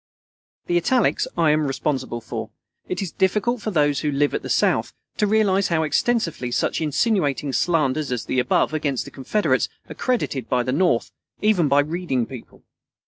The italics I am responsible for. It is difficult for those who live at the South to realize how extensively such insinuating slanders as the above against the Confederates are credited at the North, even by reading people.